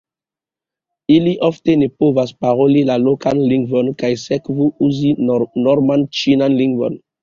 Ili ofte ne povas paroli la lokan lingvon kaj sekve uzi norman ĉinan lingvon.